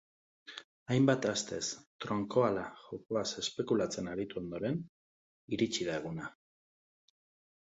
Hainbat astez tronkoala jokoaz espekulatzen aritu ondoren, iritsi da eguna.